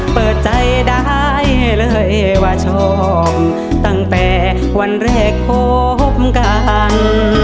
เปิดใจได้เลยว่าชอบตั้งแต่วันแรกคบกัน